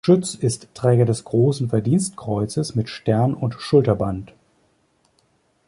Schütz ist Träger des Großen Verdienstkreuzes mit Stern und Schulterband.